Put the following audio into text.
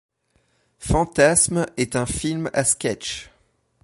Fantasm est un film à sketchs.